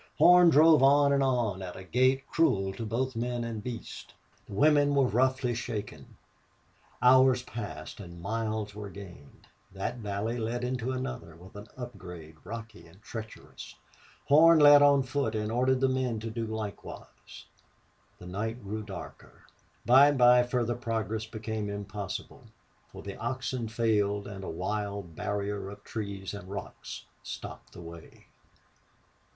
Horn drove on and on at a gait cruel to both men and beasts. The women were roughly shaken. Hours passed and miles were gained. That valley led into another with an upgrade, rocky and treacherous. Horn led on foot and ordered the men to do likewise. The night grew darker. By and by further progress became impossible, for the oxen failed and a wild barrier of trees and rocks stopped the way.